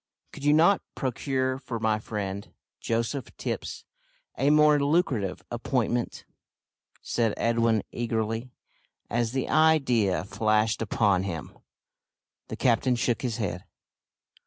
"Could you not procure for my friend, Joseph Tipps, a more lucrative appointment?" said Edwin eagerly, as the idea flashed upon him. The captain shook his head.